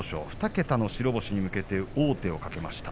２桁の白星に向けて王手をかけました。